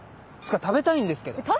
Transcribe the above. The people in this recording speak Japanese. っつか食べたいんですけど！